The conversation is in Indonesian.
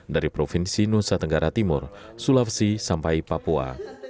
dari provinsi nusa tenggara timur sulawesi sampai papua